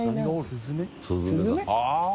スズメだ。